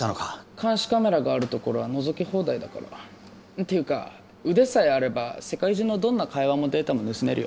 監視カメラがあるところはのぞき放題だからっていうか腕さえあれば世界中のどんな会話もデータも盗めるよ